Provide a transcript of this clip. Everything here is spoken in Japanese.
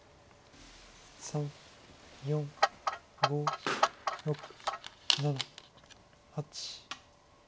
３４５６７８。